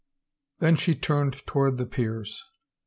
Then she turned toward the peers.